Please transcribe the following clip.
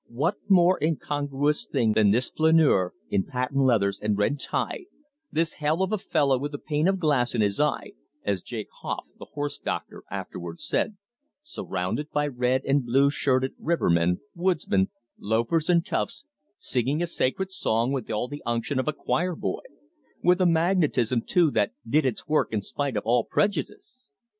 What more incongruous thing than this flaneur in patent leathers and red tie, this "hell of a fellow with a pane of glass in his eye," as Jake Hough, the horse doctor, afterwards said, surrounded by red and blue shirted river men, woodsmen, loafers, and toughs, singing a sacred song with all the unction of a choir boy; with a magnetism, too, that did its work in spite of all prejudice?